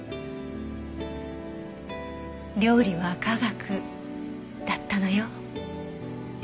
料理は科学だったのよ。